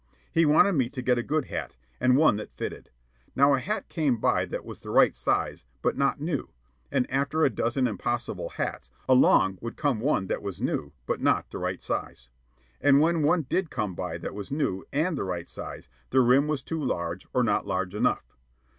He wanted me to get a good hat, and one that fitted. Now a hat came by that was the right size but not new; and, after a dozen impossible hats, along would come one that was new but not the right size. And when one did come by that was new and the right size, the rim was too large or not large enough.